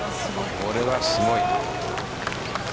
これはすごい。